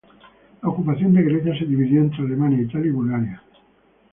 La ocupación de Grecia se dividió entre Alemania, Italia y Bulgaria.